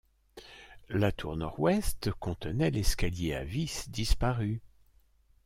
La tour nord-ouest contenait l'escalier à vis disparu.